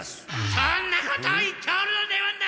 そんなことを言っておるのではない！